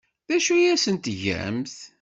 D acu ay asent-tgamt?